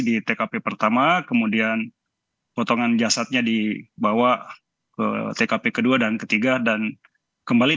di tkp pertama kemudian potongan jasadnya dibawa ke tkp kedua dan ketiga dan kembali